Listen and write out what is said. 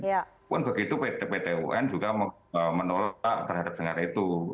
walaupun begitu pt un juga menolak terhadap senada itu